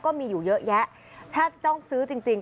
ก็มีอยู่เยอะแยะถ้าจะต้องซื้อจริง